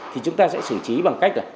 thì chúng ta sẽ xử trí bằng cách là